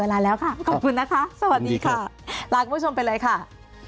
รายการถามตรงค่ะ